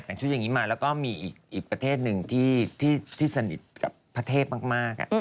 แต่งชุดอย่างนี้มาแล้วก็มีอีกประเทศหนึ่งที่สนิทกับพระเทพมาก